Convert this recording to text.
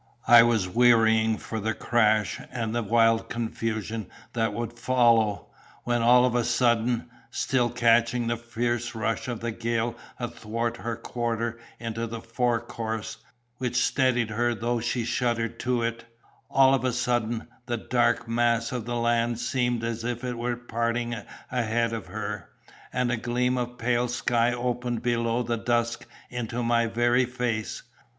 I was wearying for the crash and the wild confusion that would follow, when all of a sudden, still catching the fierce rush of the gale athwart her quarter into the fore course, which steadied her though she shuddered to it—all of a sudden, the dark mass of the land seemed as if it were parting ahead of her, and a gleam of pale sky opened below the dusk into my very face.